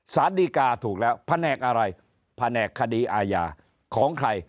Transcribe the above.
สารดีกาถูกแล้วแผนกอะไรแผนกคดีอาญาของใคร